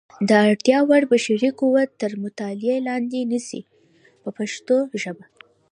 د اړتیا وړ بشري قوت تر مطالعې لاندې نیسي په پښتو ژبه.